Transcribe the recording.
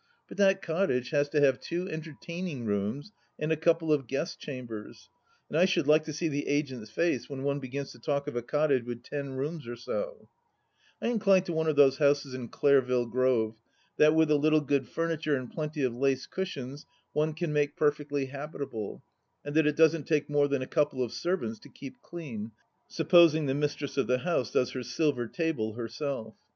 But that cottage has to have two entertaining rooms and a couple of guest chambers, and I should like to see the agent's face when one begins to talk of a cottage with ten rooms or so I I incline to one of those houses in Clareville Grove, that with a little good furniture and plenty of lace cushions one can make perfectly habitable, and that it doesn't take more than a couple of servants to keep clean, supposing the mistress of the house does her silver table herself.